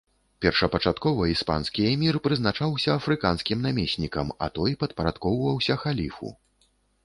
Першапачаткова іспанскі эмір прызначаўся афрыканскім намеснікам, а той падпарадкоўваўся халіфу.